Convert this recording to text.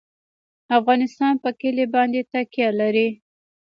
افغانستان په کلي باندې تکیه لري.